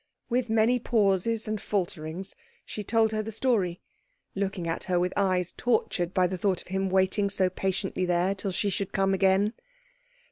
With many pauses and falterings she told her the story, looking at her with eyes tortured by the thought of him waiting so patiently there till she should come again.